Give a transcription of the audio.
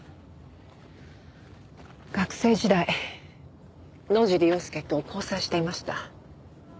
学生時代野尻要介と交際していました。